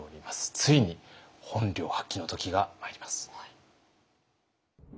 ついに本領発揮の時がまいります。